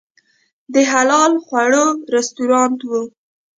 د حلال خواړو رستورانت و.